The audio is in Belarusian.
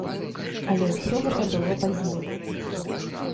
Але ўсё гэта было пазней.